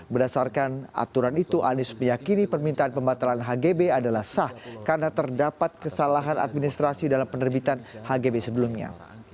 berdasarkan aturan itu anies meyakini permintaan pembatalan hgb adalah sah karena terdapat kesalahan administrasi dalam penerbitan hgb sebelumnya